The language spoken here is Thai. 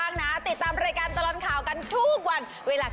ส่งมาส่งมากันเยอะส่งฝาแล้วเธอจะได้ลุ้น